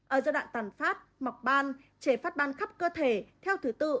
ở giai đoạn tàn phát mọc ban trẻ phát ban khắp cơ thể theo thứ tự